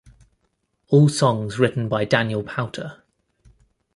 All songs written by Daniel Powter.